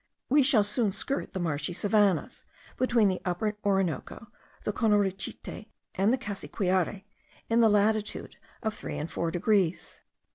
We shall soon skirt the marshy savannahs, between the Upper Orinoco, the Conorichite, and the Cassiquiare, in the latitude of 3 and 4 degrees.